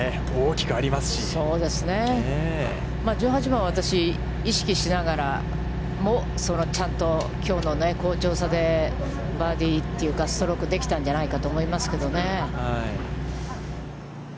１８番は私、意識しながらもちゃんと、きょうの好調さでバーディーというか、ストロークできたんじゃないかと思いますけどね。